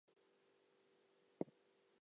The division of the drawing is arbitrary.